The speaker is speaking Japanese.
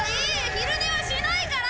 昼寝はしないから！